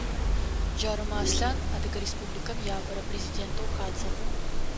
Джарымэ Аслъан Адыгэ Республикэм иапэрэ президентэу хадзыгъ.